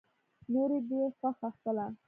نوره دې خوښه خپله.